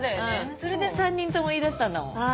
それで３人とも言い出したんだもん。